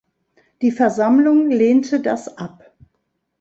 Die Versammlung lehnte das ab.